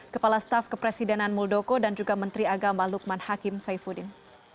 kepala staf kepresidenan muldoko dan juga menteri agama lukman hakim saifuddin